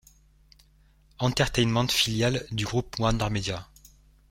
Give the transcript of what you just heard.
Entertainment filiale du groupe WarnerMedia.